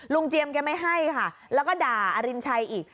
เจียมแกไม่ให้ค่ะแล้วก็ด่าอรินชัยอีก